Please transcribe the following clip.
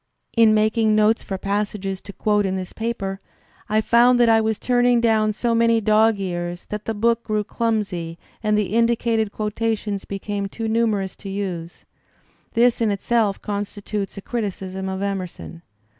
In making notes for passages to quote in this paper, I found that I was turning down so many dog ears that the book grew clumsy and the indicated quotations became too numerous to use. This in itself constitutes a criticism of Emerson.